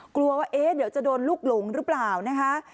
กลัวว่าเดี๋ยวจะโดนลูกหลงหรือเปล่านะคะ